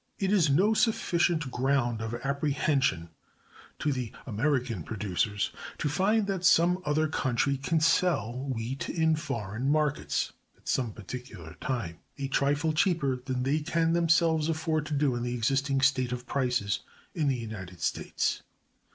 It is no sufficient ground of apprehension to the [American] producers, to find that some other country can sell [wheat] in foreign markets, at some particular time, a trifle cheaper than they can themselves afford to do in the existing state of prices in [the United States].